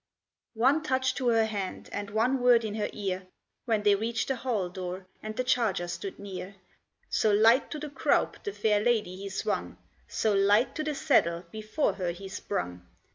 One touch to her hand, and one word in her ear, When they reached the hall door, and the charger stood near, So light to the croupe the fair lady he swung, So light to the saddle before her he sprung!